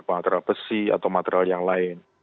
material besi atau material yang lain